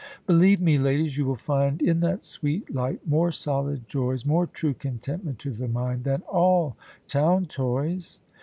Believe me, ladies, you will find In that sweet light more solid joys, More true contentment to the mind Than all town toys.